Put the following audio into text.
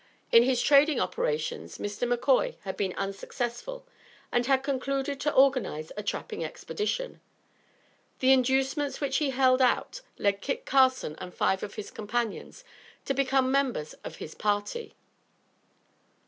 In his trading operations Mr. McCoy had been unsuccessful and had concluded to organize a trapping expedition. The inducements which he held out led Kit Carson and five of his companions to become members of his party.